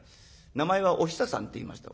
名前はお久さんって言いました」。